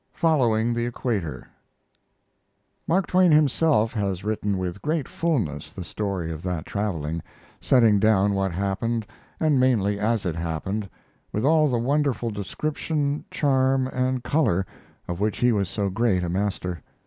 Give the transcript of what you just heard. "FOLLOWING THE EQUATOR" Mark Twain himself has written with great fulness the story of that traveling setting down what happened, and mainly as it happened, with all the wonderful description, charm, and color of which he was so great a master.